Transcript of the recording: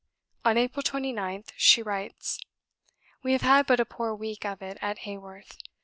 On April 29th she writes: "We have had but a poor week of it at Haworth.